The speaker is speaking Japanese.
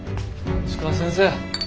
石川先生